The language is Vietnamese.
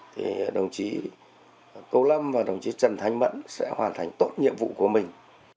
thì đồng chí tô lâm và đồng chí trần thanh mẫn sẽ hoàn thành tốt nhiệm vụ của mình